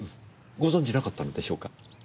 ご存じなかったのでしょうか？